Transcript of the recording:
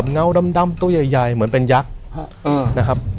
เงาดำตัวใหญ่เหมือนเป็นยักษ์นะครับ